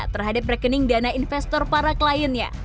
terhadap rekening dana investor para kliennya